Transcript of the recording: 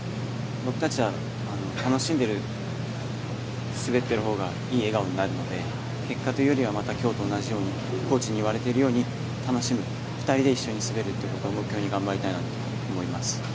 僕たちは楽しんで滑っているほうがいい笑顔になるので結果というよりはまた今日と同じようにコーチに言われているように楽しむ、２人で一緒に滑ることを目標に頑張りたいと思います。